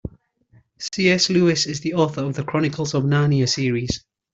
C.S. Lewis is the author of The Chronicles of Narnia series.